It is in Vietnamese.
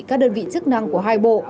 các đơn vị chức năng của hai bộ